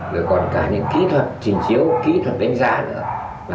rồi còn cả những kỹ thuật trình chiếu kỹ thuật đánh giá nữa